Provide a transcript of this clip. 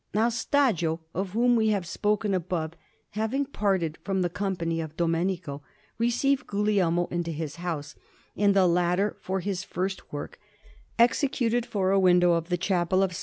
Now Stagio, of whom we have spoken above, having parted from the company of Domenico, received Guglielmo into his house; and the latter, for his first work, executed for a window of the Chapel of S.